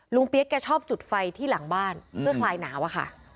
เปี๊ยกแกชอบจุดไฟที่หลังบ้านเพื่อคลายหนาวอะค่ะ